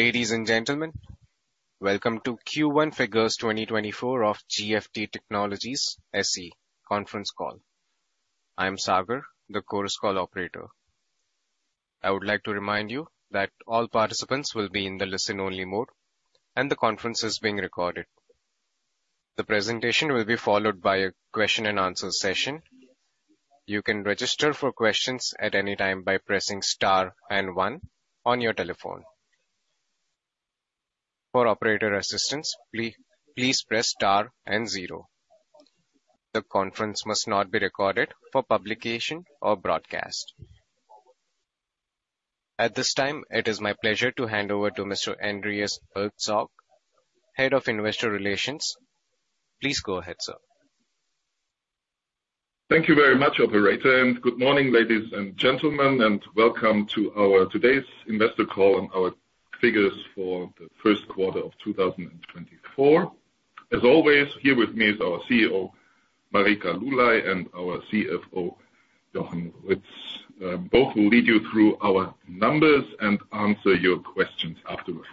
Ladies and gentlemen, welcome to Q1 Figures 2024 of GFT Technologies SE Conference Call. I'm Sagar, the Chorus Call operator. I would like to remind you that all participants will be in the listen-only mode, and the conference is being recorded. The presentation will be followed by a question and answer session. You can register for questions at any time by pressing star and one on your telephone. For operator assistance, please press star and zero. The conference must not be recorded for publication or broadcast. At this time, it is my pleasure to hand over to Mr. Andreas Herzog, Head of Investor Relations. Please go ahead, sir. Thank you very much, operator, and good morning, ladies and gentlemen, and welcome to our today's investor call and our figures for the Q1 of 2024. As always, here with me is our CEO, Marika Lulay, and our CFO, Jochen Ruetz. Both will lead you through our numbers and answer your questions afterwards.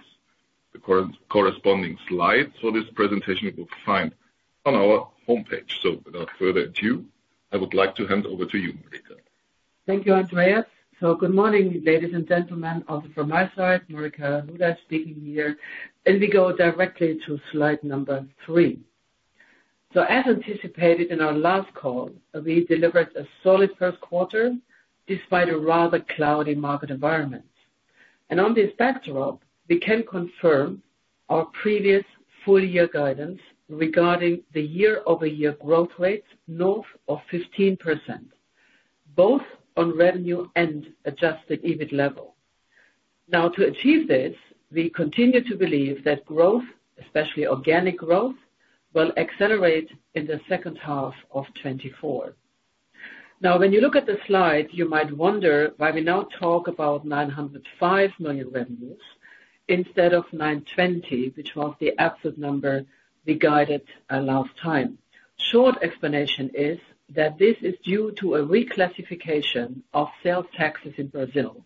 The corresponding slides for this presentation you will find on our homepage. So without further ado, I would like to hand over to you, Marika. Thank you, Andreas. So good morning, ladies and gentlemen, also from my side, Marika Lulay speaking here, and we go directly to slide number three. So as anticipated in our last call, we delivered a solid Q1 despite a rather cloudy market environment. And on this backdrop, we can confirm our previous full year guidance regarding the year-over-year growth rates north of 15%, both on revenue and adjusted EBIT level. Now, to achieve this, we continue to believe that growth, especially organic growth, will accelerate in the second half of 2024. Now, when you look at the slide, you might wonder why we now talk about 905 million revenues instead of 920, which was the absolute number we guided last time. Short explanation is that this is due to a reclassification of sales taxes in Brazil,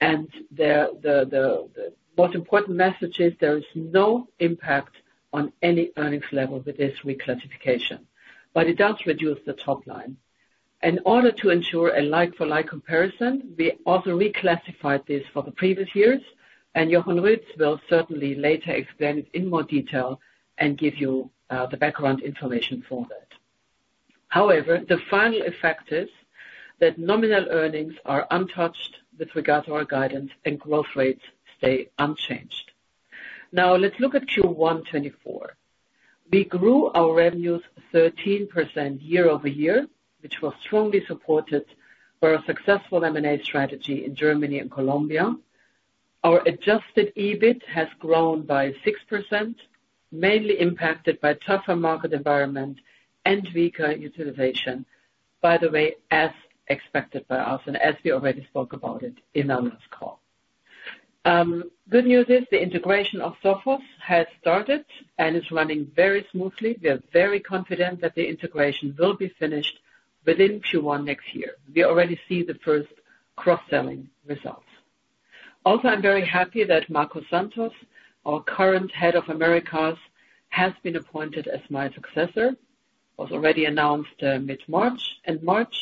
and the most important message is there is no impact on any earnings level with this reclassification, but it does reduce the top line. In order to ensure a like-for-like comparison, we also reclassified this for the previous years, and Jochen Ruetz will certainly later explain it in more detail and give you the background information for that. However, the final effect is that nominal earnings are untouched with regard to our guidance and growth rates stay unchanged. Now, let's look at Q1 2024. We grew our revenues 13% year-over-year, which was strongly supported by our successful M&A strategy in Germany and Colombia. Our adjusted EBIT has grown by 6%, mainly impacted by tougher market environment and weaker utilization, by the way, as expected by us and as we already spoke about it in our last call. Good news is the integration of Sophos has started and is running very smoothly. We are very confident that the integration will be finished within Q1 next year. We already see the first cross-selling results. Also, I'm very happy that Marco Santos, our current head of Americas, has been appointed as my successor, was already announced, mid-March, in March,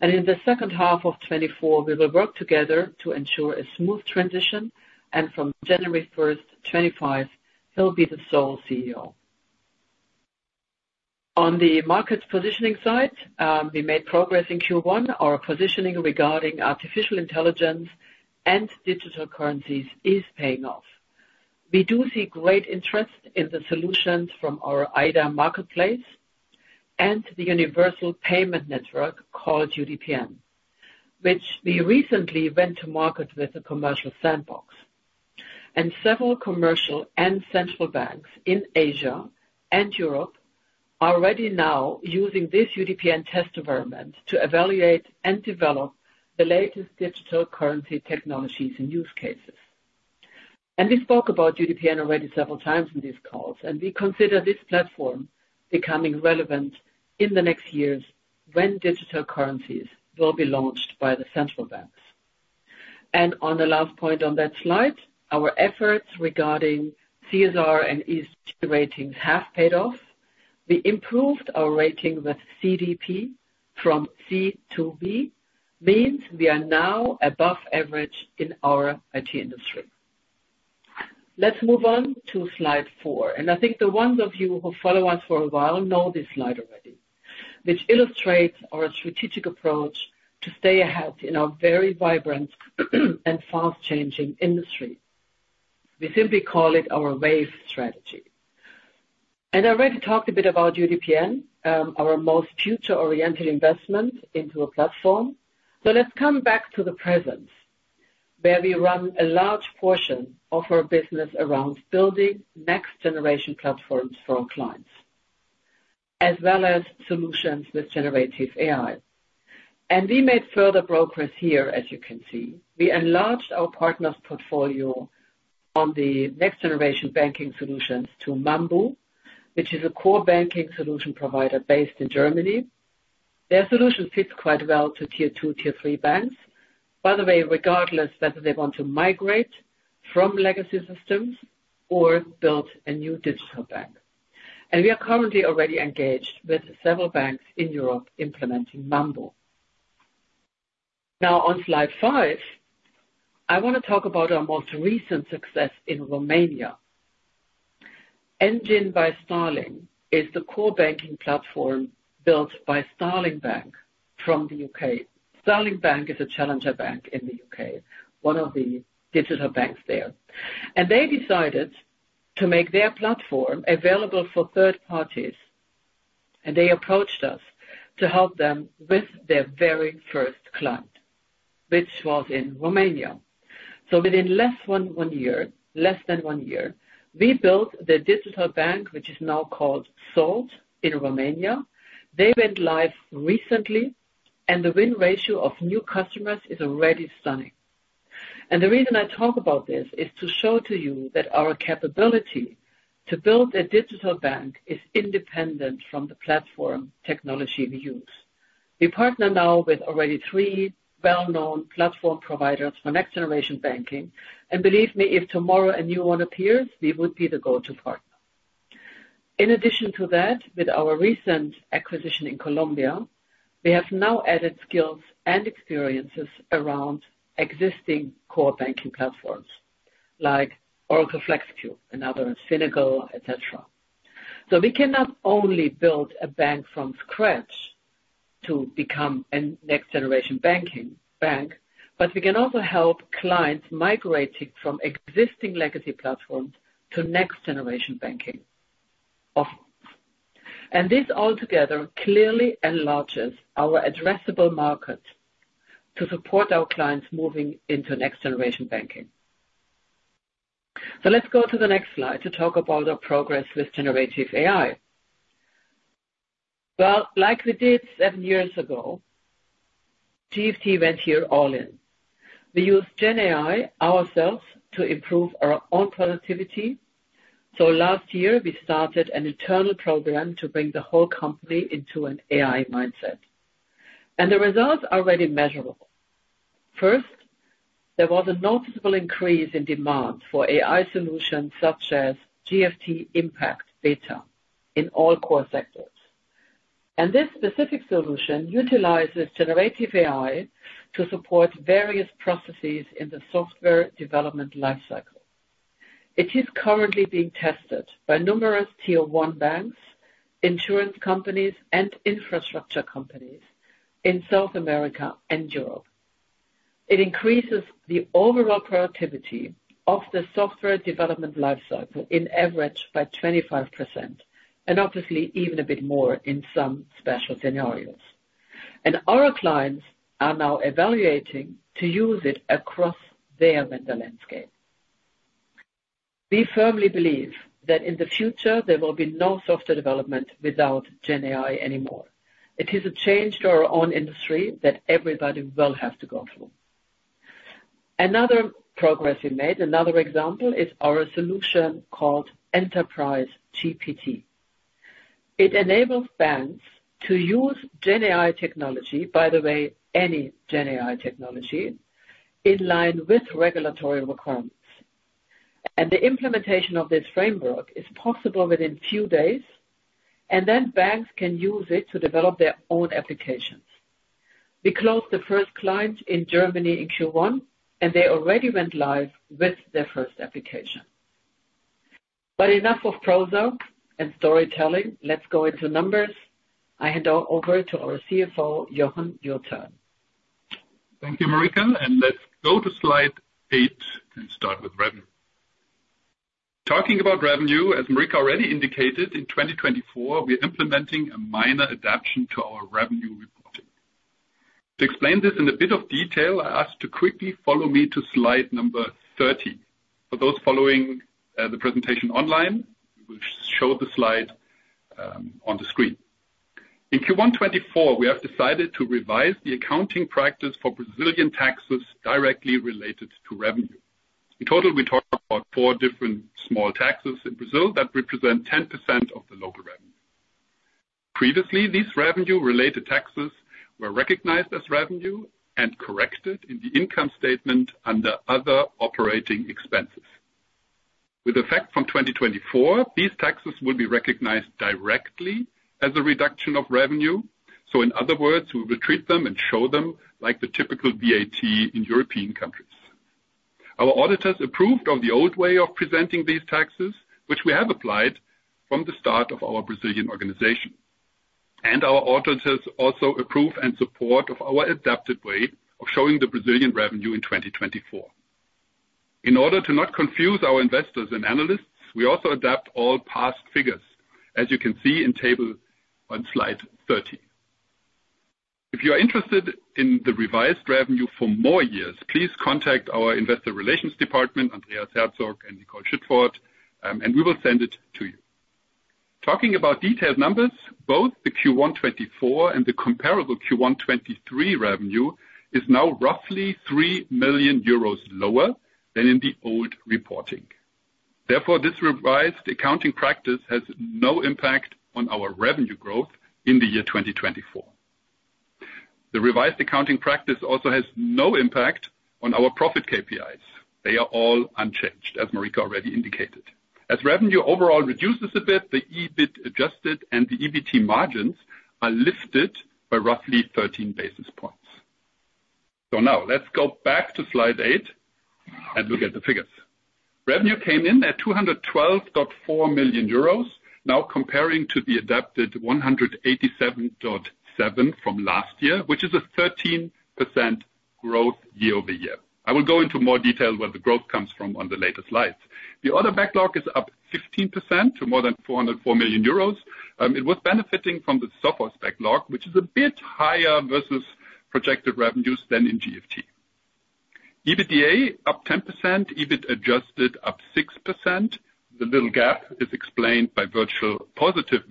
and in the second half of 2024, we will work together to ensure a smooth transition, and from January 1, 2025, he'll be the sole CEO. On the market positioning side, we made progress in Q1. Our positioning regarding artificial intelligence and digital currencies is paying off. We do see great interest in the solutions from our AI.DA marketplace and the Universal Digital Payments Network, called UDPN, which we recently went to market with a commercial sandbox. Several commercial and central banks in Asia and Europe are already now using this UDPN test environment to evaluate and develop the latest digital currency technologies and use cases. We spoke about UDPN already several times in these calls, and we consider this platform becoming relevant in the next years when digital currencies will be launched by the central banks. On the last point on that slide, our efforts regarding CSR and ESG ratings have paid off. We improved our rating with CDP from C to B, means we are now above average in our IT industry. Let's move on to slide four, and I think the ones of you who follow us for a while know this slide already, which illustrates our strategic approach to stay ahead in a very vibrant and fast-changing industry. We simply call it our wave strategy. I already talked a bit about UDPN, our most future-oriented investment into a platform. So let's come back to the present, where we run a large portion of our business around building next generation platforms for our clients, as well as solutions with generative AI. We made further progress here, as you can see. We enlarged our partners' portfolio on the next generation banking solutions to Mambu, which is a core banking solution provider based in Germany... Their solution fits quite well to Tier 2, Tier 3 banks. By the way, regardless whether they want to migrate from legacy systems or build a new digital bank. We are currently already engaged with several banks in Europe implementing Mambu. Now, on slide five, I want to talk about our most recent success in Romania. Engine by Starling is the core banking platform built by Starling Bank from the UK. Starling Bank is a challenger bank in the UK, one of the digital banks there, and they decided to make their platform available for third parties, and they approached us to help them with their very first client, which was in Romania. So within less than one year, we built the digital bank, which is now called Salt in Romania. They went live recently, and the win ratio of new customers is already stunning. And the reason I talk about this is to show to you that our capability to build a digital bank is independent from the platform technology we use. We partner now with already three well-known platform providers for next-generation banking, and believe me, if tomorrow a new one appears, we would be the go-to partner. In addition to that, with our recent acquisition in Colombia, we have now added skills and experiences around existing core banking platforms like Oracle FLEXCUBE and other Finacle, et cetera. So we cannot only build a bank from scratch to become a next-generation banking bank, but we can also help clients migrating from existing legacy platforms to next-generation banking. Oh, and this altogether clearly enlarges our addressable market to support our clients moving into next-generation banking. So let's go to the next slide to talk about our progress with generative AI. Well, like we did seven years ago, GFT went here all in. We use Gen AI ourselves to improve our own productivity. So last year, we started an internal program to bring the whole company into an AI mindset, and the results are already measurable. First, there was a noticeable increase in demand for AI solutions such as GFT AI Impact Beta in all core sectors. And this specific solution utilizes generative AI to support various processes in the software development lifecycle. It is currently being tested by numerous Tier 1 banks, insurance companies, and infrastructure companies in South America and Europe. It increases the overall productivity of the software development lifecycle on average by 25%, and obviously even a bit more in some special scenarios. And our clients are now evaluating to use it across their vendor landscape. We firmly believe that in the future there will be no software development without Gen AI anymore. It is a change to our own industry that everybody will have to go through. Another progress we made, another example, is our solution called Enterprise GPT. It enables banks to use Gen AI technology, by the way, any Gen AI technology, in line with regulatory requirements. And the implementation of this framework is possible within few days, and then banks can use it to develop their own applications. We closed the first client in Germany in Q1, and they already went live with their first application. But enough of prose and storytelling. Let's go into numbers. I hand over to our CFO, Jochen. Your turn. Thank you, Marika, and let's go to slide eight and start with revenue. Talking about revenue, as Marika already indicated, in 2024, we are implementing a minor adaptation to our revenue reporting. To explain this in a bit of detail, I ask to quickly follow me to slide number 13. For those following the presentation online, we'll show the slide on the screen. In Q1 2024, we have decided to revise the accounting practice for Brazilian taxes directly related to revenue. In total, we talk about four different small taxes in Brazil that represent 10% of the local revenue. Previously, these revenue-related taxes were recognized as revenue and corrected in the income statement under other operating expenses. With effect from 2024, these taxes will be recognized directly as a reduction of revenue. So in other words, we will treat them and show them like the typical VAT in European countries. Our auditors approved of the old way of presenting these taxes, which we have applied from the start of our Brazilian organization, and our auditors also approve and support of our adapted way of showing the Brazilian revenue in 2024. In order to not confuse our investors and analysts, we also adapt all past figures, as you can see in table on slide 13. If you are interested in the revised revenue for more years, please contact our investor relations department, Andreas Herzog and Nicole Schüttforth, and we will send it to you. Talking about detailed numbers, both the Q1 2024 and the comparable Q1 2023 revenue is now roughly 3 million euros lower than in the old reporting. Therefore, this revised accounting practice has no impact on our revenue growth in the year 2024. The revised accounting practice also has no impact on our profit KPIs. They are all unchanged, as Marika already indicated. As revenue overall reduces a bit, the EBIT adjusted and the EBIT margins are lifted by roughly 13 basis points. So now let's go back to slide 8 and look at the figures. Revenue came in at 212.4 million euros, now comparing to the adapted 187.7 million from last year, which is a 13% growth year-over-year. I will go into more detail where the growth comes from on the later slides. The order backlog is up 15% to more than 404 million euros. It was benefiting from the software backlog, which is a bit higher versus projected revenues than in GFT. EBITDA up 10%, EBIT adjusted up 6%. The little gap is explained by various positive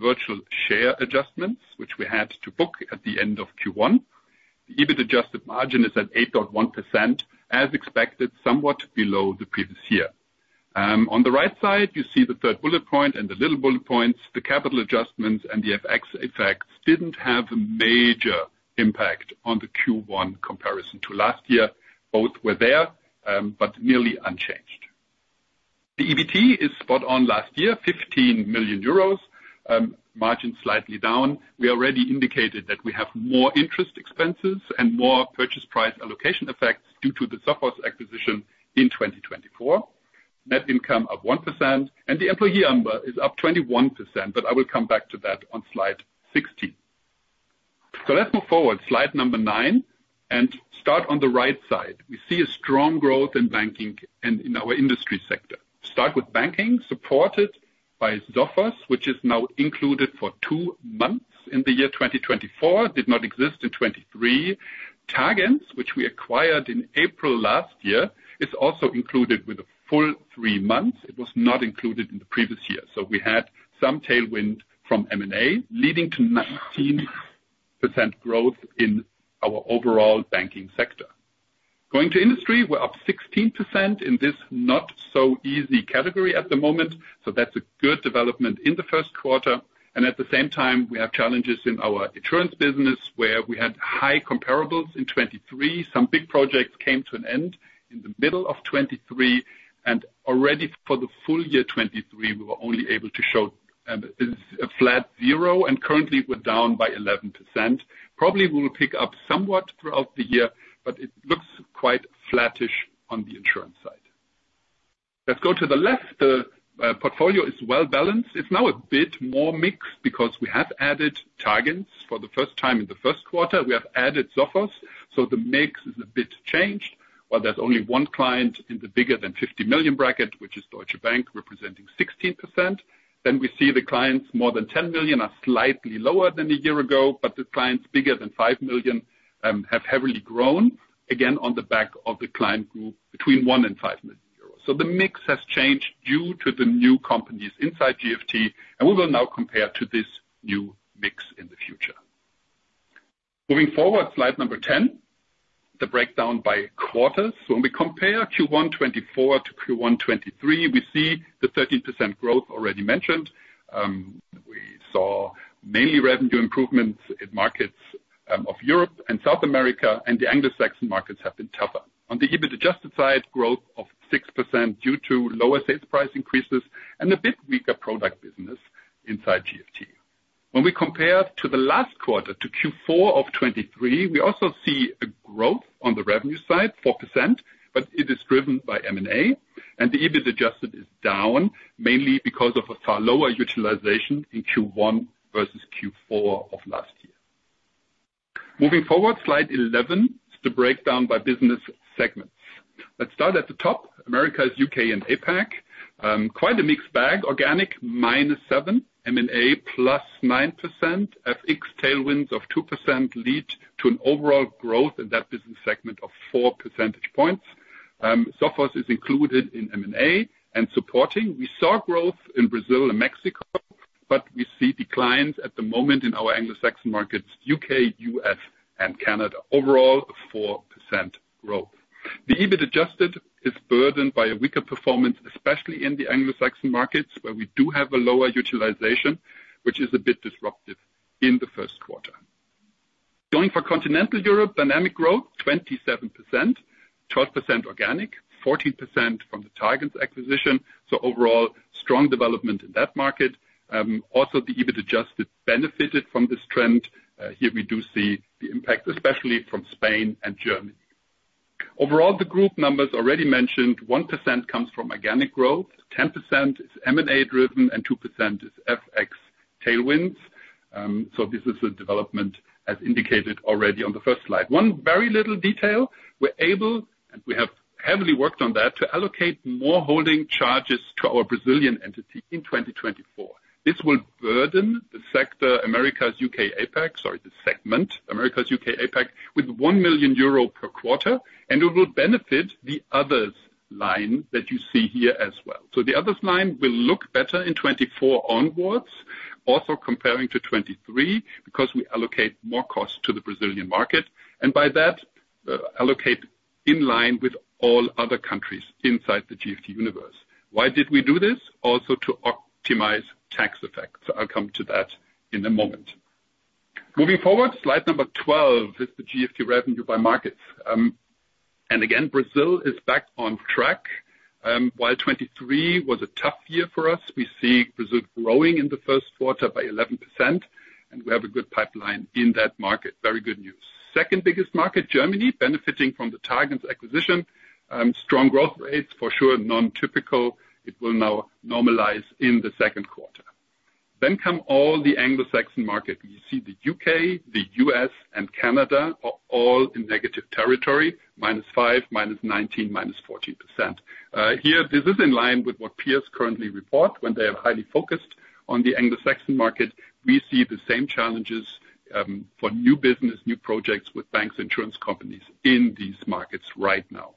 share adjustments, which we had to book at the end of Q1. The EBIT adjusted margin is at 8.1%, as expected, somewhat below the previous year. On the right side, you see the third bullet point and the little bullet points. The capital adjustments and the FX effects didn't have a major impact on the Q1 comparison to last year. Both were there, but merely unchanged. The EBT is spot on last year, 15 million euros, margin slightly down. We already indicated that we have more interest expenses and more purchase price allocation effects due to the Sophos's acquisition in 2024. Net income up 1%, and the employee number is up 21%, but I will come back to that on slide 16. So let's move forward, slide number 9, and start on the right side. We see a strong growth in banking and in our industry sector. Start with banking, supported by Sophos, which is now included for 2 months in the year 2024, did not exist in 2023. targens, which we acquired in April last year, is also included with a full 3 months. It was not included in the previous year. So we had some tailwind from M&A, leading to 19% growth in our overall banking sector. Going to industry, we're up 16% in this not-so-easy category at the moment, so that's a good development in the Q1. At the same time, we have challenges in our insurance business, where we had high comparables in 2023. Some big projects came to an end in the middle of 2023, and already for the full year 2023, we were only able to show a flat zero, and currently we're down by 11%. Probably will pick up somewhat throughout the year, but it looks quite flattish on the insurance side. Let's go to the left. The portfolio is well balanced. It's now a bit more mixed because we have added Targens for the first time in the Q1. We have added Sophos, so the mix is a bit changed. While there's only one client in the bigger than 50 million bracket, which is Deutsche Bank, representing 16%, then we see the clients more than 10 million are slightly lower than a year ago, but the clients bigger than 5 million have heavily grown, again, on the back of the client group between one and 5 million euros. So the mix has changed due to the new companies inside GFT, and we will now compare to this new mix in the future. Moving forward, slide number 10, the breakdown by quarters. When we compare Q1 2024 to Q1 2023, we see the 13% growth already mentioned. We saw mainly revenue improvements in markets of Europe and South America, and the Anglo-Saxon markets have been tougher. On the EBIT adjusted side, growth of 6% due to lower sales price increases and a bit weaker product business inside GFT. When we compare to the last quarter, to Q4 of 2023, we also see a growth on the revenue side, 4%, but it is driven by M&A, and the EBIT adjusted is down, mainly because of a far lower utilization in Q1 versus Q4 of last year. Moving forward, slide 11, is the breakdown by business segments. Let's start at the top, Americas, UK and APAC. Quite a mixed bag. Organic, -7, M&A, +9%. FX tailwinds of 2% lead to an overall growth in that business segment of 4 percentage points. Sophos is included in M&A and supporting. We saw growth in Brazil and Mexico, but we see declines at the moment in our Anglo-Saxon markets, UK, US, and Canada. Overall, a 4% growth. The EBIT adjusted is burdened by a weaker performance, especially in the Anglo-Saxon markets, where we do have a lower utilization, which is a bit disruptive in the Q1. Going for continental Europe, dynamic growth, 27%, 12% organic, 14% from the targens acquisition. So overall, strong development in that market. Also, the EBIT adjusted benefited from this trend. Here we do see the impact, especially from Spain and Germany. Overall, the group numbers already mentioned, 1% comes from organic growth, 10% is M&A-driven, and 2% is FX tailwinds. So this is a development as indicated already on the first slide. One very little detail, we're able, and we have heavily worked on that, to allocate more holding charges to our Brazilian entity in 2024. This will burden the sector, Americas, UK, APAC, sorry, the segment, Americas, UK, APAC, with 1 million euro per quarter, and it will benefit the others line that you see here as well. So the others line will look better in 2024 onwards. Also comparing to 2023, because we allocate more costs to the Brazilian market, and by that, allocate in line with all other countries inside the GFT universe. Why did we do this? Also to optimize tax effects. So I'll come to that in a moment. Moving forward, slide number 12 is the GFT revenue by markets. And again, Brazil is back on track. While 2023 was a tough year for us, we see Brazil growing in the Q1 by 11%, and we have a good pipeline in that market. Very good news. Second biggest market, Germany, benefiting from the Tagens acquisition. Strong growth rates, for sure, non-typical. It will now normalize in the Q2. Then come all the Anglo-Saxon market. We see the U.K., the U.S., and Canada are all in negative territory, -5%, -19%, -14%. Here, this is in line with what peers currently report when they are highly focused on the Anglo-Saxon market. We see the same challenges, for new business, new projects with banks, insurance companies in these markets right now.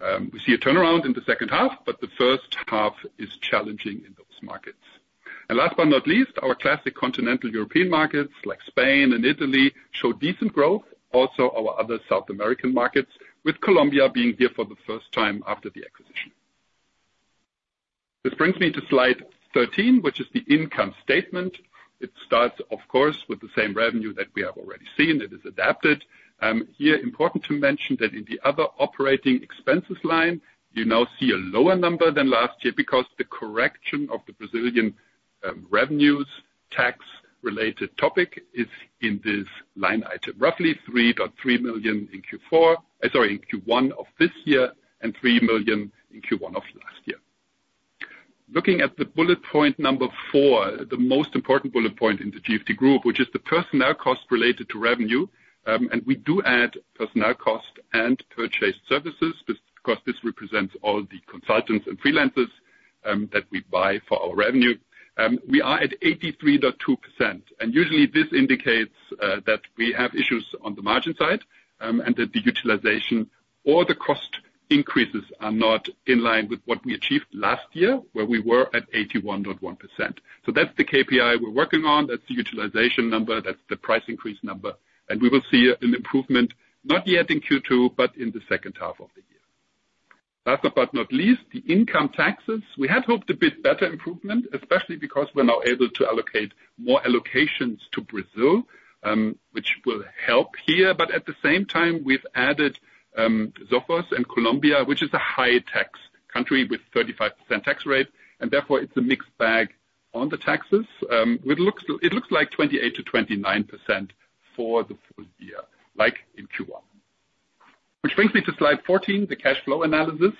We see a turnaround in the second half, but the first half is challenging in those markets. And last but not least, our classic continental European markets, like Spain and Italy, show decent growth. Also, our other South American markets, with Colombia being here for the first time after the acquisition. This brings me to slide 13, which is the income statement. It starts, of course, with the same revenue that we have already seen. It is adapted. Here, important to mention that in the other operating expenses line, you now see a lower number than last year, because the correction of the Brazilian, revenues, tax-related topic is in this line item, roughly 3.3 million in Q4—sorry, in Q1 of this year, and 3 million in Q1 of last year. Looking at the bullet point number 4, the most important bullet point in the GFT group, which is the personnel cost related to revenue. We do add personnel cost and purchase services, because this represents all the consultants and freelancers that we buy for our revenue. We are at 83.2%, and usually this indicates that we have issues on the margin side, and that the utilization or the cost increases are not in line with what we achieved last year, where we were at 81.1%. So that's the KPI we're working on. That's the utilization number, that's the price increase number, and we will see an improvement, not yet in Q2, but in the second half of the year. Last but not least, the income taxes. We had hoped a bit better improvement, especially because we're now able to allocate more allocations to Brazil, which will help here. But at the same time, we've added Sophos in Colombia, which is a high tax country with 35% tax rate, and therefore it's a mixed bag on the taxes. It looks like 28%-29% for the full year, like in Q1. Which brings me to slide 14, the cash flow analysis.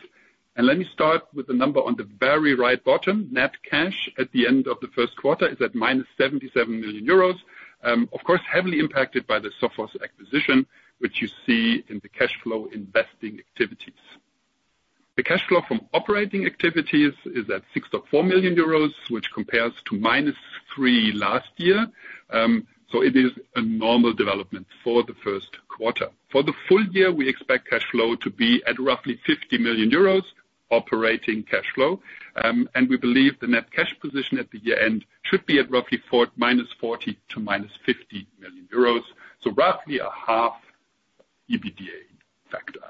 And let me start with the number on the very right bottom. Net cash at the end of the Q1 is at -77 million euros. Of course, heavily impacted by the Sophos acquisition, which you see in the cash flow investing activities. The cash flow from operating activities is at 6.4 million euros, which compares to -3 million last year. So it is a normal development for the Q1. For the full year, we expect cash flow to be at roughly 50 million euros, operating cash flow. And we believe the net cash position at the year-end should be at roughly -40 million--50 million euros, so roughly a half EBITDA factor.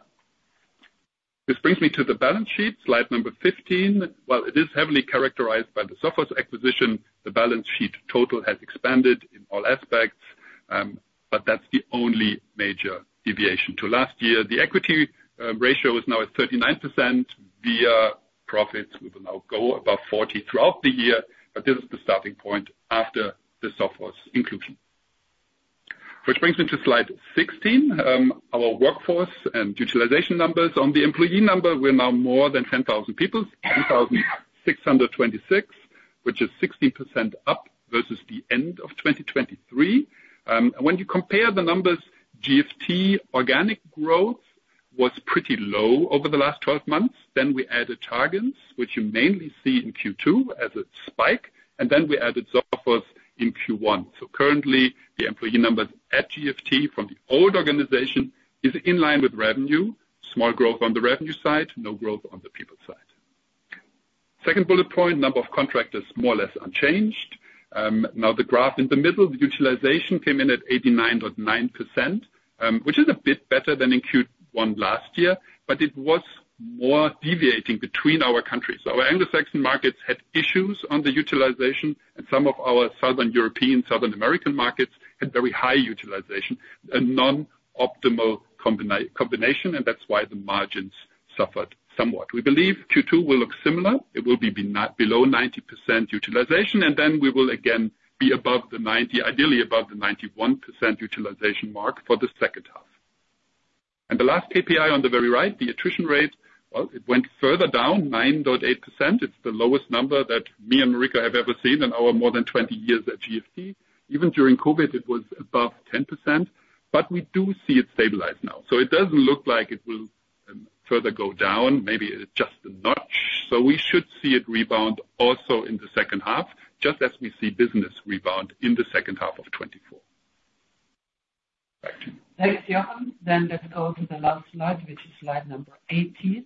This brings me to the balance sheet, slide number 15. While it is heavily characterized by the Sophos acquisition, the balance sheet total has expanded in all aspects, but that's the only major deviation to last year. The equity ratio is now at 39%. Via profits, we will now go above 40% throughout the year, but this is the starting point after the Sophos inclusion. Which brings me to slide 16, our workforce and utilization numbers. On the employee number, we're now more than 10,000 people, 10,626, which is 16% up versus the end of 2023. When you compare the numbers, GFT organic growth was pretty low over the last 12 months. Then we added targens, which you mainly see in Q2 as a spike, and then we added Sophos in Q1. So currently the employee numbers at GFT from the old organization is in line with revenue. Small growth on the revenue side, no growth on the people side. Second bullet point, number of contractors, more or less unchanged. Now, the graph in the middle, the utilization came in at 89.9%, which is a bit better than in Q1 last year, but it was more deviating between our countries. So our Anglo-Saxon markets had issues on the utilization, and some of our Southern European, Southern American markets had very high utilization, a non-optimal combination, and that's why the margins suffered somewhat. We believe Q2 will look similar. It will be not below 90% utilization, and then we will again be above the 90%, ideally above the 91% utilization mark for the second half. And the last KPI on the very right, the attrition rate, well, it went further down 9.8%. It's the lowest number that me and Marika have ever seen in our more than 20 years at GFT. Even during COVID, it was above 10%, but we do see it stabilize now. So it doesn't look like it will further go down, maybe just a notch. So we should see it rebound also in the second half, just as we see business rebound in the second half of 2024.... Thanks, Jochen. Then let's go to the last slide, which is slide number 18.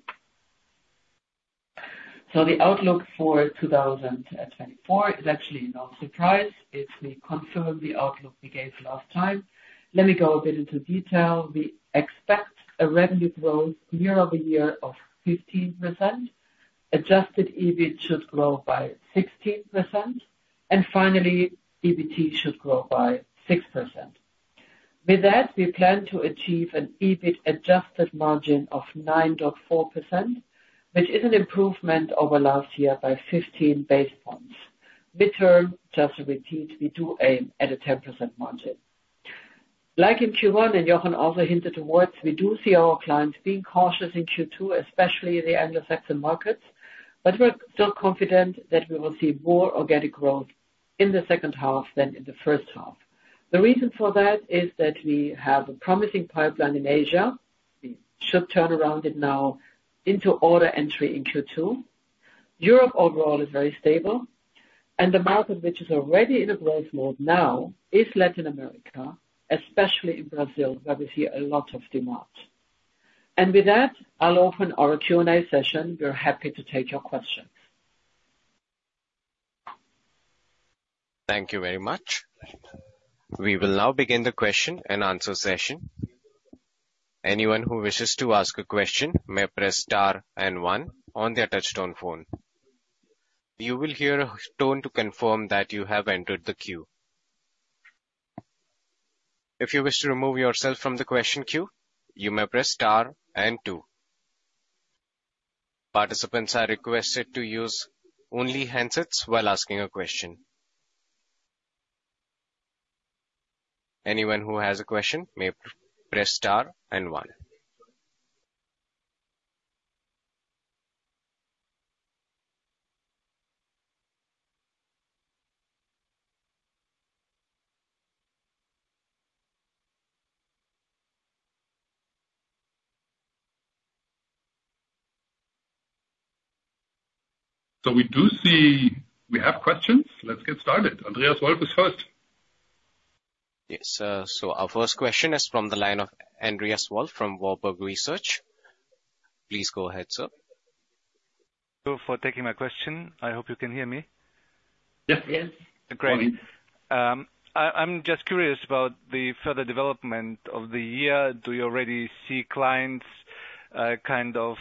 So the outlook for 2024 is actually no surprise. It's the confirmed outlook we gave last time. Let me go a bit into detail. We expect a revenue growth year-over-year of 15%. Adjusted EBIT should grow by 16%, and finally, EBT should grow by 6%. With that, we plan to achieve an EBIT-adjusted margin of 9.4%, which is an improvement over last year by 15 basis points. Mid-term, just to repeat, we do aim at a 10% margin. Like in Q1, and Jochen also hinted towards, we do see our clients being cautious in Q2, especially the Anglo-Saxon markets, but we're still confident that we will see more organic growth in the second half than in the first half. The reason for that is that we have a promising pipeline in Asia. We should turn around it now into order entry in Q2. Europe overall is very stable, and the market, which is already in a growth mode now, is Latin America, especially in Brazil, where we see a lot of demand. With that, I'll open our Q&A session. We're happy to take your questions. Thank you very much. We will now begin the question and answer session. Anyone who wishes to ask a question may press star and one on their touchtone phone. You will hear a tone to confirm that you have entered the queue. If you wish to remove yourself from the question queue, you may press star and two. Participants are requested to use only handsets while asking a question. Anyone who has a question may press star and one. We do see we have questions. Let's get started. Andreas Wolf is first. Yes, so our first question is from the line of Andreas Wolf, from Warburg Research. Please go ahead, sir.... Thank you for taking my question. I hope you can hear me. Yes, yes. Great. I'm just curious about the further development of the year. Do you already see clients kind of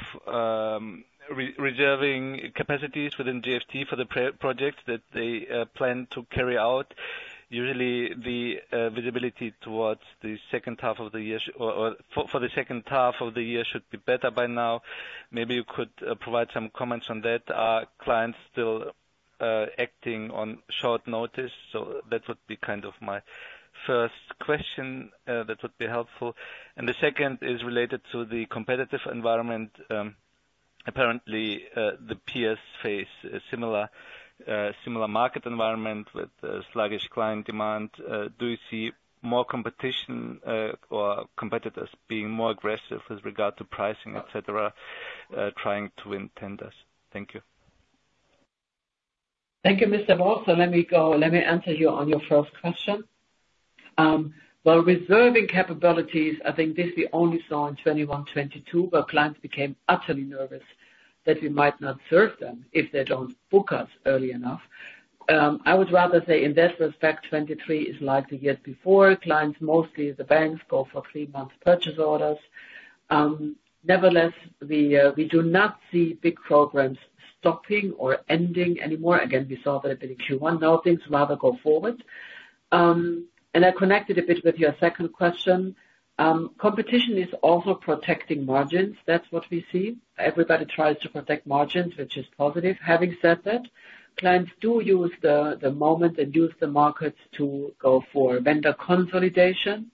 reserving capacities within GFT for the projects that they plan to carry out? Usually, the visibility towards the second half of the year or for the second half of the year should be better by now. Maybe you could provide some comments on that. Are clients still acting on short notice? So that would be kind of my first question that would be helpful. And the second is related to the competitive environment. Apparently, the peers face a similar market environment with sluggish client demand. Do you see more competition or competitors being more aggressive with regard to pricing, et cetera, trying to win tenders? Thank you. Thank you, Mr. Wolf. Let me answer you on your first question. While reserving capabilities, I think this we only saw in 2021, 2022, where clients became utterly nervous that we might not serve them if they don't book us early enough. I would rather say in that respect, 2023 is like the year before. Clients, mostly the banks, go for 3-month purchase orders. Nevertheless, we do not see big programs stopping or ending anymore. Again, we saw that a bit in Q1. Now, things rather go forward. And I connected a bit with your second question. Competition is also protecting margins. That's what we see. Everybody tries to protect margins, which is positive. Having said that, clients do use the moment and use the markets to go for vendor consolidation,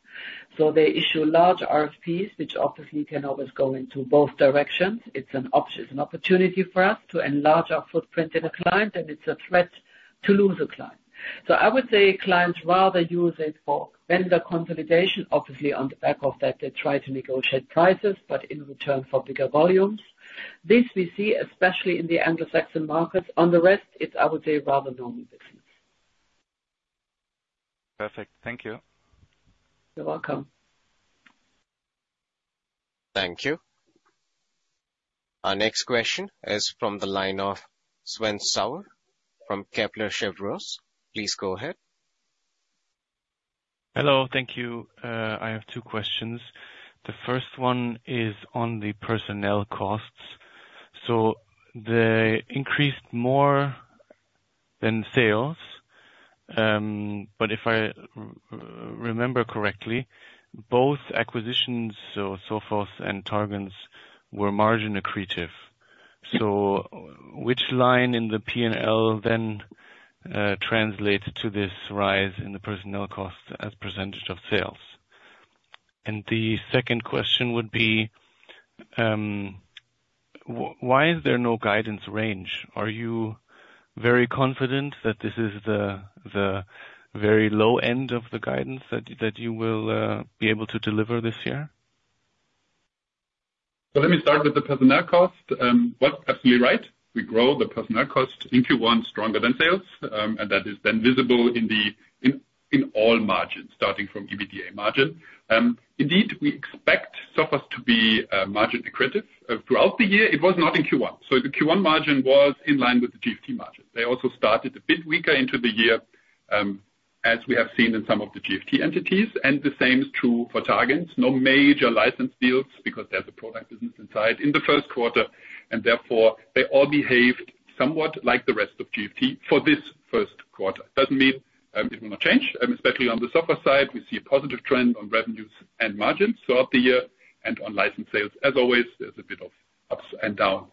so they issue large RFPs, which obviously can always go into both directions. It's an opportunity for us to enlarge our footprint in a client, and it's a threat to lose a client. So I would say clients rather use it for vendor consolidation. Obviously, on the back of that, they try to negotiate prices, but in return for bigger volumes. This we see, especially in the Anglo-Saxon markets. On the rest, it's, I would say, rather normal business. Perfect. Thank you. You're welcome. Thank you. Our next question is from the line of Sven Sauer from Kepler Cheuvreux. Please go ahead. Hello. Thank you. I have two questions. The first one is on the personnel costs. So they increased more than sales, but if I remember correctly, both acquisitions, Sophos and Targens, were margin accretive. So which line in the P&L then translates to this rise in the personnel costs as percentage of sales? And the second question would be, why is there no guidance range? Are you very confident that this is the very low end of the guidance that you will be able to deliver this year?... So let me start with the personnel cost. What's absolutely right, we grow the personnel cost in Q1 stronger than sales, and that is then visible in all margins, starting from EBITDA margin. Indeed, we expect Sophos to be margin accretive throughout the year. It was not in Q1. So the Q1 margin was in line with the GFT margin. They also started a bit weaker into the year, as we have seen in some of the GFT entities, and the same is true for targens. No major license deals, because there's a product business inside in the Q1, and therefore, they all behaved somewhat like the rest of GFT for this Q1. Doesn't mean it will not change, especially on the software side, we see a positive trend on revenues and margins throughout the year, and on license sales. As always, there's a bit of ups and downs.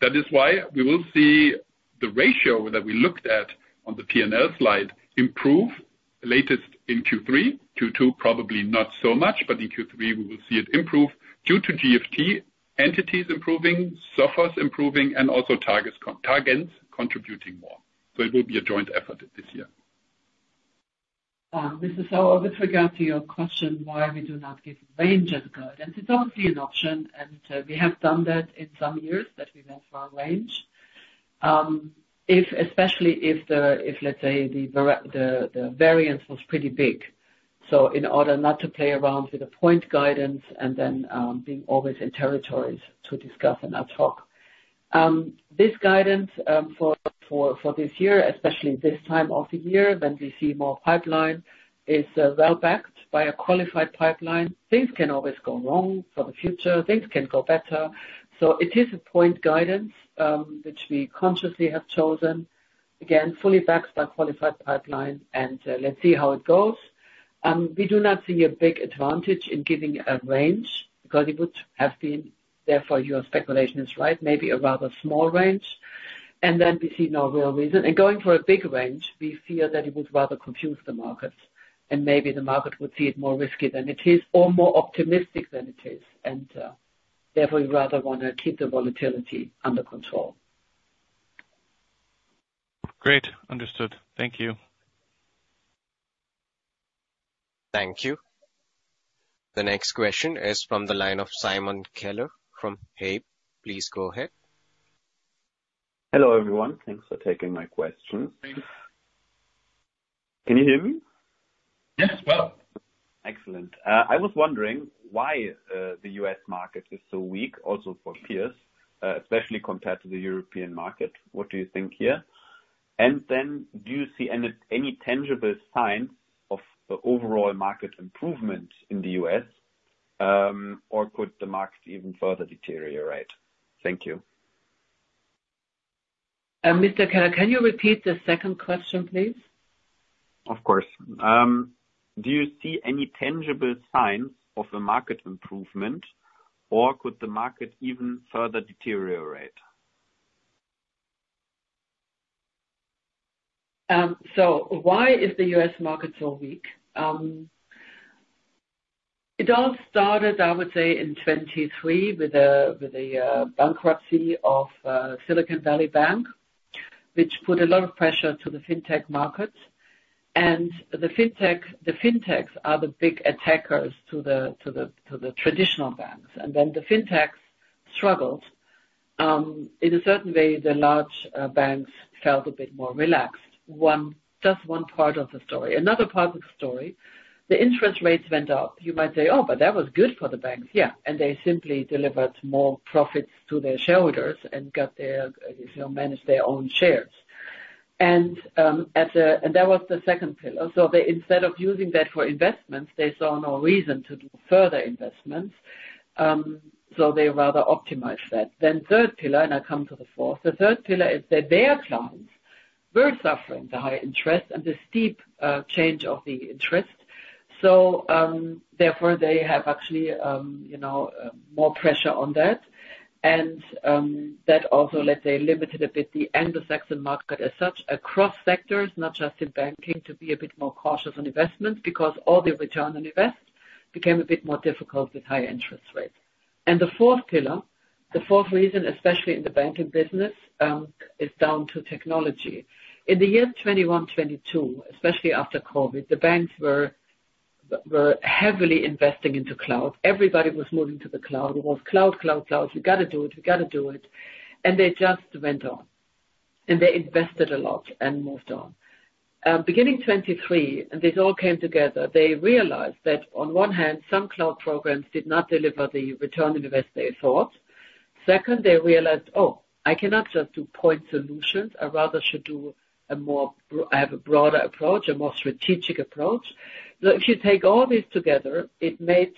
That is why we will see the ratio that we looked at on the P&L slide improve, latest in Q3. Q2, probably not so much, but in Q3, we will see it improve due to GFT entities improving, Sophos improving, and also Targens contributing more. So it will be a joint effort this year. This is so with regard to your question, why we do not give range as guidance. It's obviously an option, and we have done that in some years, that we went for our range. If, especially if the, if, let's say, the variance was pretty big. So in order not to play around with the point guidance and then being always in territories to discuss an ad hoc. This guidance for this year, especially this time of the year, when we see more pipeline, is well backed by a qualified pipeline. Things can always go wrong for the future. Things can go better. So it is a point guidance which we consciously have chosen. Again, fully backed by qualified pipeline, and let's see how it goes. We do not see a big advantage in giving a range, because it would have been, therefore, your speculation is right, maybe a rather small range. And then we see no real reason. And going for a big range, we fear that it would rather confuse the markets, and maybe the market would see it more risky than it is or more optimistic than it is, and therefore we'd rather wanna keep the volatility under control. Great. Understood. Thank you. Thank you. The next question is from the line of Simon Keller from Hauck. Please go ahead. Hello, everyone. Thanks for taking my question. Thanks. Can you hear me? Yes, well. Excellent. I was wondering why the U.S. market is so weak, also for peers, especially compared to the European market. What do you think here? And then do you see any, any tangible signs of the overall market improvement in the U.S., or could the market even further deteriorate? Thank you. Mr. Keller, can you repeat the second question, please? Of course. Do you see any tangible signs of a market improvement, or could the market even further deteriorate? So why is the US market so weak? It all started, I would say, in 2023 with the bankruptcy of Silicon Valley Bank, which put a lot of pressure to the fintech markets. And the fintechs are the big attackers to the traditional banks. And when the fintechs struggled, in a certain way, the large banks felt a bit more relaxed. Just one part of the story. Another part of the story, the interest rates went up. You might say, "Oh, but that was good for the banks." Yeah, and they simply delivered more profits to their shareholders and got their, you know, managed their own shares. And that was the second pillar. So they, instead of using that for investments, they saw no reason to do further investments, so they rather optimize that. Then third pillar, and I come to the fourth. The third pillar is that their clients were suffering the high interest and the steep change of the interest. So, therefore, they have actually, you know, more pressure on that. And, that also, let's say, limited a bit the end of sector market as such, across sectors, not just in banking, to be a bit more cautious on investment, because all the return on invest became a bit more difficult with high interest rates. And the fourth pillar, the fourth reason, especially in the banking business, is down to technology. In the year 2021, 2022, especially after COVID, the banks were heavily investing into cloud. Everybody was moving to the cloud. It was cloud, cloud, cloud. We gotta do it, we gotta do it. And they just went on, and they invested a lot and moved on. Beginning 2023, and this all came together, they realized that on one hand, some cloud programs did not deliver the return on investment they thought. Second, they realized, "Oh, I cannot just do point solutions. I rather should do a more, I have a broader approach, a more strategic approach." So if you take all this together, it made,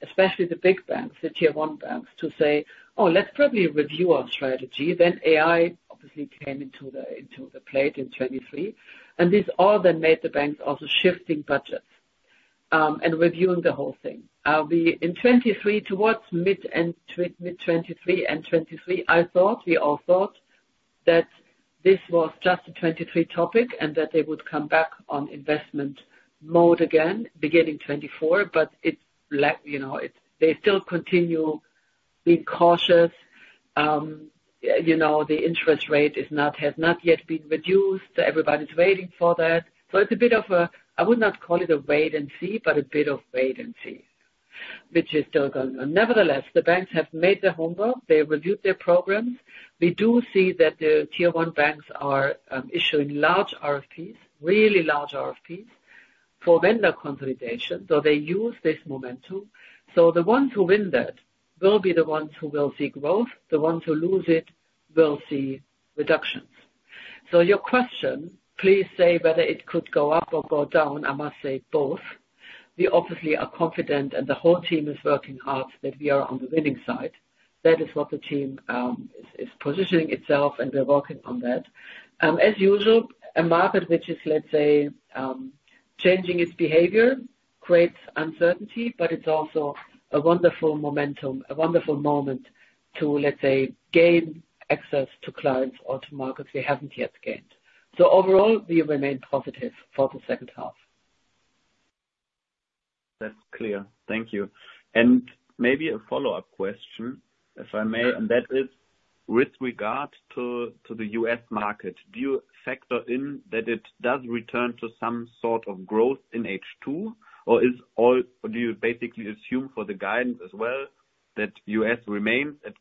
especially the big banks, the Tier 1 banks, to say, "Oh, let's probably review our strategy." Then AI obviously came into play in 2023, and this all then made the banks also shifting budgets, and reviewing the whole thing. We, in 2023, towards mid- and mid-2023 and 2023, I thought, we all thought, that this was just a 2023 topic, and that they would come back on investment mode again, beginning 2024, but it—you know, it, they still continue being cautious. You know, the interest rate is not, has not yet been reduced. Everybody's waiting for that. So it's a bit of a, I would not call it a wait and see, but a bit of wait and see, which is still going on. Nevertheless, the banks have made their homework. They reviewed their programs. We do see that the Tier One banks are issuing large RFPs, really large RFPs, for vendor consolidation, so they use this momentum. So the ones who win that will be the ones who will see growth. The ones who lose it will see reductions. So your question, please say whether it could go up or go down. I must say both. We obviously are confident, and the whole team is working hard, that we are on the winning side. That is what the team is positioning itself, and we're working on that. As usual, a market which is, let's say, changing its behavior creates uncertainty, but it's also a wonderful momentum, a wonderful moment to, let's say, gain access to clients or to markets we haven't yet gained. So overall, we remain positive for the second half. That's clear. Thank you. Maybe a follow-up question, if I may, and that is with regard to the US market, do you factor in that it does return to some sort of growth in H2? Or do you basically assume for the guidance as well, that US remains at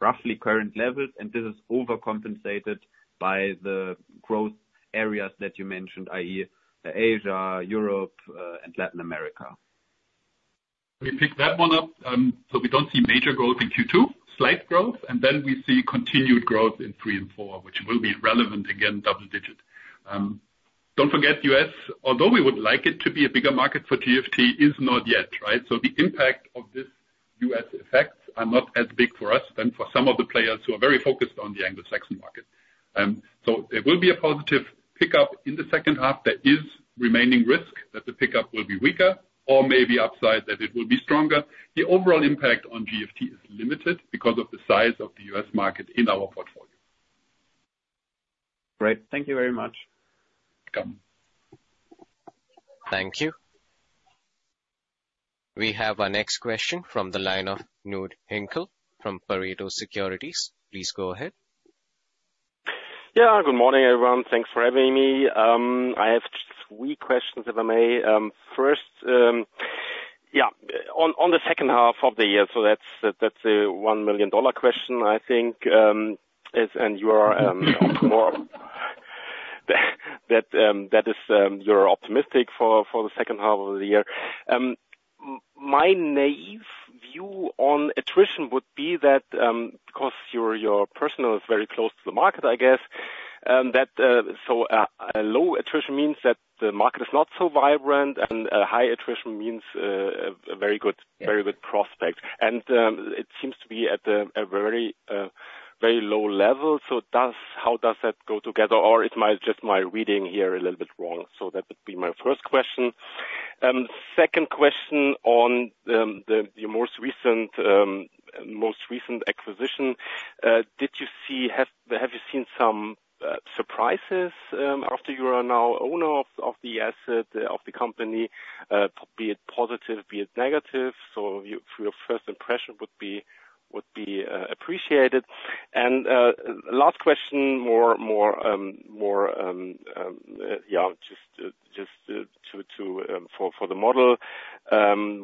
roughly current levels, and this is overcompensated by the growth areas that you mentioned, i.e., Asia, Europe, and Latin America? Let me pick that one up. So we don't see major growth in Q2, slight growth, and then we see continued growth in 3 and 4, which will be relevant, again, double digit. Don't forget, U.S., although we would like it to be a bigger market for GFT, is not yet, right? So the impact of this U.S. effects are not as big for us than for some of the players who are very focused on the Anglo-Saxon market. So there will be a positive pickup in the second half. There is remaining risk that the pickup will be weaker or maybe upside, that it will be stronger. The overall impact on GFT is limited because of the size of the U.S. market in our portfolio. Great. Thank you very much. Welcome. Thank you. We have our next question from the line of Knud Hinkel from Pareto Securities. Please go ahead. Yeah, good morning, everyone. Thanks for having me. I have three questions, if I may. First, yeah, on the second half of the year, so that's a 1 million dollar question, I think, is, and you are more that that is, you're optimistic for the second half of the year. My naive view on attrition would be that, because your personal is very close to the market, I guess, that, so a low attrition means that the market is not so vibrant, and a high attrition means a very good, very good prospect. And it seems to be at a very low level. So does, how does that go together? Or it might just my reading here a little bit wrong. So that would be my first question. Second question on your most recent acquisition. Have you seen some surprises after you are now owner of the asset of the company, be it positive, be it negative? So your first impression would be appreciated. And last question, more just for the model.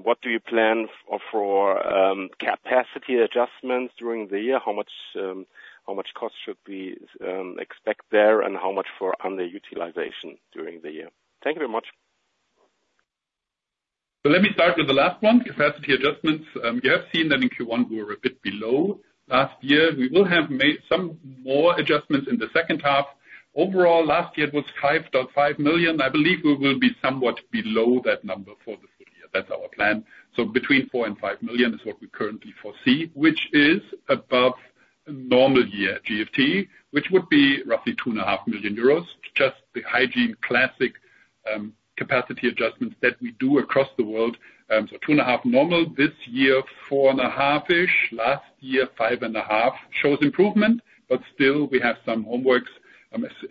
What do you plan for capacity adjustments during the year? How much cost should we expect there, and how much for underutilization during the year? Thank you very much. So let me start with the last one. Capacity adjustments, you have seen that in Q1, we were a bit below last year. We will have made some more adjustments in the second half. Overall, last year it was 5.5 million. I believe we will be somewhat below that number for the full year. That's our plan. So between 4 million and 5 million is what we currently foresee, which is above normal year GFT, which would be roughly 2.5 million euros, just the hygiene classic capacity adjustments that we do across the world. So 2.5 normal this year, 4.5-ish, last year, 5.5. Shows improvement, but still we have some homework,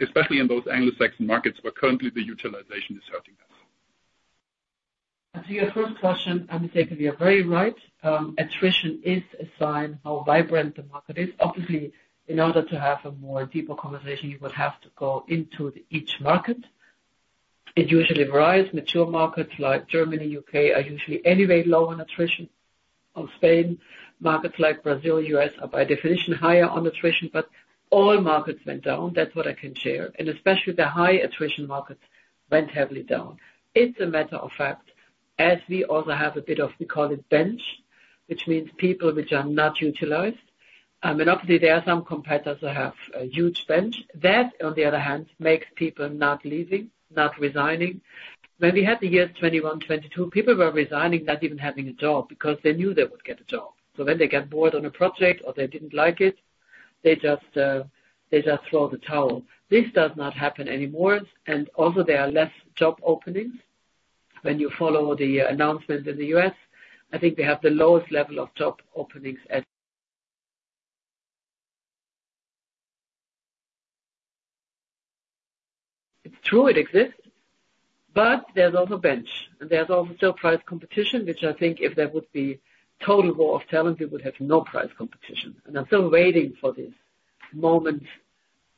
especially in those Anglo-Saxon markets, where currently the utilization is hurting us. To your first question, I would say you are very right. Attrition is a sign how vibrant the market is. Obviously, in order to have a more deeper conversation, you would have to go into each market. It usually varies. Mature markets like Germany, U.K., are usually anyway low on attrition, or Spain. Markets like Brazil, U.S., are by definition higher on attrition, but all markets went down. That's what I can share, and especially the high attrition markets went heavily down. It's a matter of fact, as we also have a bit of, we call it bench, which means people which are not utilized. I mean, obviously there are some competitors that have a huge bench. That, on the other hand, makes people not leaving, not resigning. When we had the year 2021, 2022, people were resigning, not even having a job, because they knew they would get a job. So when they get bored on a project or they didn't like it, they just, they just throw the towel. This does not happen anymore, and also there are less job openings. When you follow the announcement in the U.S., I think they have the lowest level of job openings. It's true, it exists, but there's also bench, and there's also still price competition, which I think if there would be total war of talent, we would have no price competition. And I'm still waiting for this moment.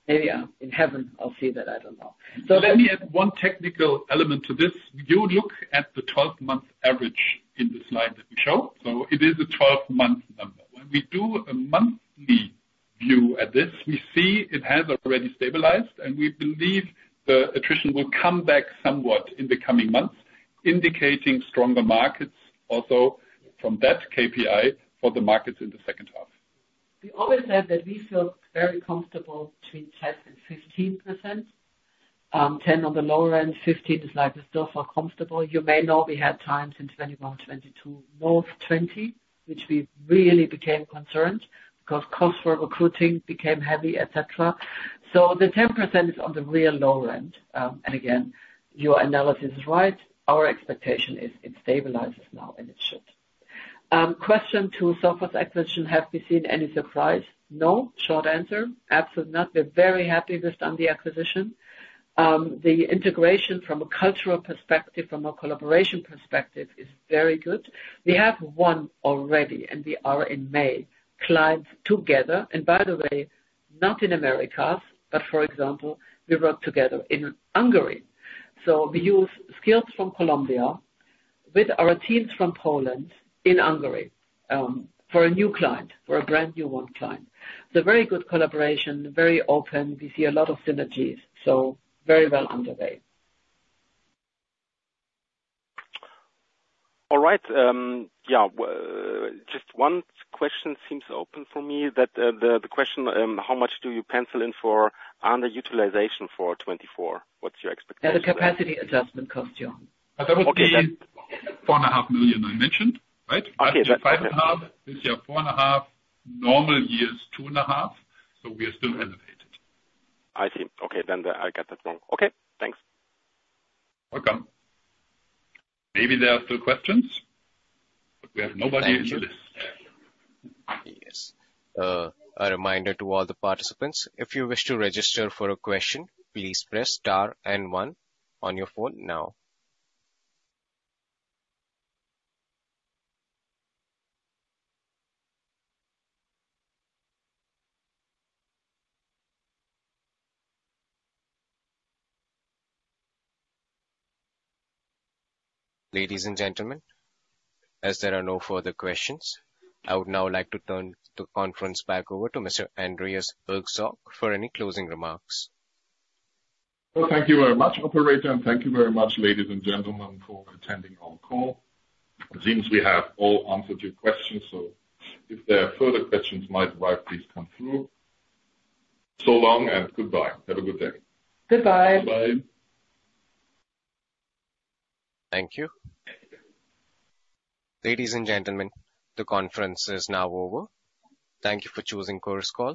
Maybe, in heaven, I'll see that, I don't know. So let me add one technical element to this. You look at the 12-month average in the slide that we show, so it is a 12-month number. When we do a monthly view at this, we see it has already stabilized, and we believe the attrition will come back somewhat in the coming months, indicating stronger markets also from that KPI for the markets in the second half. We always said that we feel very comfortable between 10% and 15%. Ten on the lower end, fifteen is like we still feel comfortable. You may know we had times in 2021, 2022, above 20%, which we really became concerned because costs for recruiting became heavy, et cetera. So the 10% is on the real low end. And again, your analysis is right. Our expectation is it stabilizes now, and it should. Question two, Sophos acquisition, have we seen any surprise? No, short answer. Absolutely not. We're very happy with on the acquisition. The integration from a cultural perspective, from a collaboration perspective, is very good. We have one already, and we are in May, clients together, and by the way, not in Americas, but for example, we work together in Hungary. We use skills from Colombia with our teams from Poland in Hungary for a new client, for a brand-new one client. It's a very good collaboration, very open. We see a lot of synergies, so very well underway. All right, yeah, just one question seems open for me, the question, how much do you pencil in for underutilization for 2024? What's your expectation? Yeah, the capacity adjustment cost, yeah. That would be 4.5 million I mentioned, right? Okay. Last year, 5.5. This year, 4.5. Normal year is 2.5, so we are still elevated. I see. Okay, then I got that wrong. Okay, thanks. Welcome. Maybe there are still questions, but we have nobody in the- Yes. A reminder to all the participants, if you wish to register for a question, please press star and one on your phone now. Ladies and gentlemen, as there are no further questions, I would now like to turn the conference back over to Mr. Andreas Herzog for any closing remarks. Well, thank you very much, operator, and thank you very much, ladies and gentlemen, for attending our call. It seems we have all answered your questions, so if there are further questions, might as well please come through. So long and goodbye. Have a good day. Goodbye. Bye. Thank you. Ladies and gentlemen, the conference is now over. Thank you for choosing Chorus Call.